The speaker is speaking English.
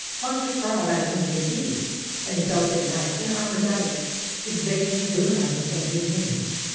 Pontiff proud, I ween, is he, And a belted Knight, In armour dight, Is begging a boon on his bended knee.